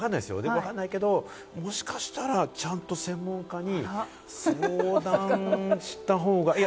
わかんないけれども、もしかしたらちゃんと専門家に相談した方が。